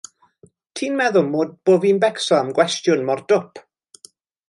Ti'n meddwl bo fi'n becso am gwestiwn mor dwp?